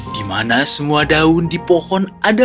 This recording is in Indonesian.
di mana semua daun di pohon ada